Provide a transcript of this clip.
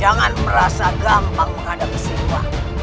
jangan merasa gampang menghadapi siswa